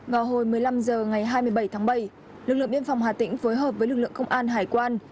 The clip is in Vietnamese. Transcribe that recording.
vào hồi một mươi năm h ngày hai mươi bảy tháng bảy lực lượng biên phòng hà tĩnh phối hợp với lực lượng công an hải quan